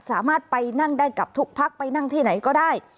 สามารถไปนั่งได้กับทุกพักไปนั่งที่ไหนก็ได้